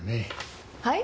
はい？